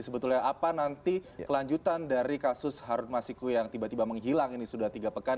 sebetulnya apa nanti kelanjutan dari kasus harun masiku yang tiba tiba menghilang ini sudah tiga pekan